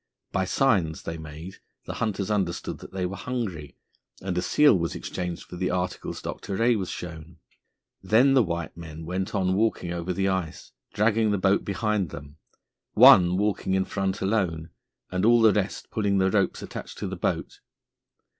By signs they made the hunters understand that they were hungry, and a seal was exchanged for the articles Dr. Rae was shown. Then the white men went on walking over the ice, dragging the boat behind them, one walking in front alone, and all the rest pulling the ropes attached to the boat.